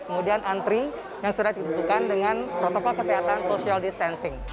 kemudian antri yang sudah dibutuhkan dengan protokol kesehatan social distancing